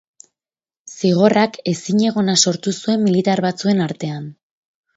Zigorrak ezinegona sortu zuen militar batzuen artean.